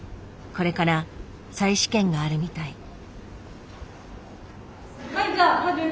これから再試験があるみたい。